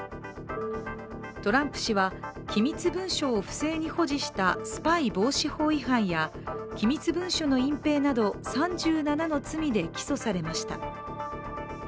トランプ氏は機密文書を不正に保持したスパイ防止法違反や機密文書の隠蔽など３７の罪で起訴されました。